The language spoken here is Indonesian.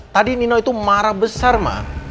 tadi nino itu marah besar mah